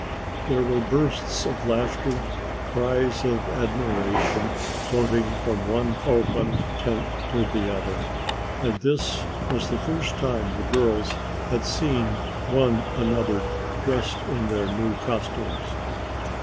There were bursts of laughter, cries of admiration floating from one open tent to the other, for this was the first time the girls had seen one another dressed in their new costumes.